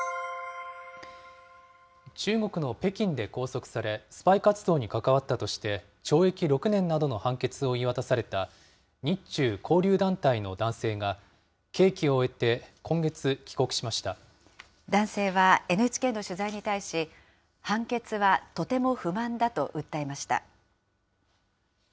中国の北京で拘束され、スパイ活動に関わったとして、懲役６年などの判決を言い渡された日中交流団体の男性が、男性はＮＨＫの取材に対し、判決はとても不満だと訴えました。